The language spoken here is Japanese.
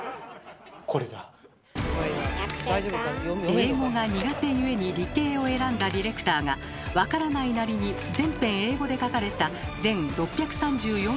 英語が苦手ゆえに理系を選んだディレクターがわからないなりに全編英語で書かれた全６３４ページを読み進めたところ